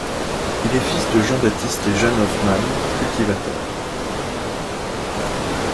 Il est fils de Jean-Baptiste et Jeanne Hoffmann, cultivateurs.